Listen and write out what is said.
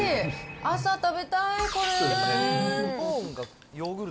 朝食べたい、これ。